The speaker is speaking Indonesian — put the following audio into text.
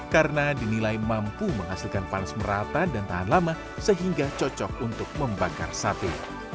karena dinilai mampu menghasilkan panas merata dan tahan lama sehingga cocok untuk membakar sate